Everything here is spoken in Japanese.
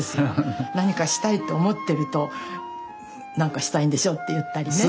何かしたいと思ってると「なんかしたいんでしょ」って言ったりね。